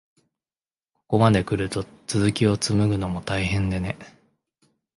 ここまでくると、続きをつむぐのも大変でね。